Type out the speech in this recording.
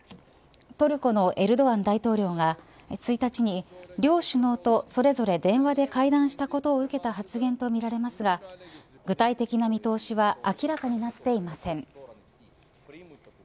トルコのエルドアン大統領がついたちに両首脳とそれぞれ電話で会談したことを受けた発言とみられますが具体的な見通しは明らかになっていません。